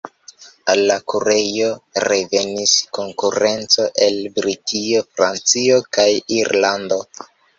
Al la kurejo revenis konkurenco el Britio, Francio kaj Irlando.